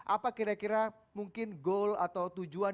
apa kira kira mungkin goal atau tujuan